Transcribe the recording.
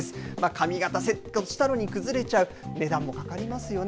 髪形セットしたのに崩れちゃう、値段もかかりますよね。